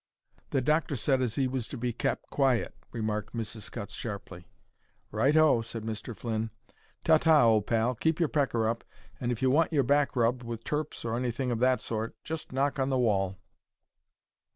"The doctor said as he was to be kep' quiet," remarked Mrs. Scutts, sharply. "Right o," said Mr. Flynn. "Ta ta, old pal. Keep your pecker up, and if you want your back rubbed with turps, or anything of that sort, just knock on the wall."